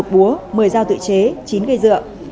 một búa một mươi dao tự chế chín cây dựa